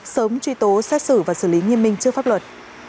sớm truy tố xét xử và xử lý nghiêm minh trước pháp luật